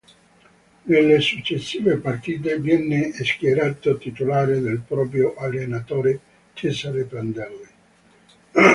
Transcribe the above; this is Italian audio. Nelle successive partite viene schierato titolare dal proprio allenatore Cesare Prandelli.